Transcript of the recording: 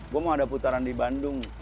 gue mau ada putaran di bandung